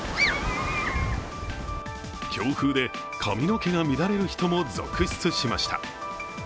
強風で髪の毛が乱れる人も続出しました。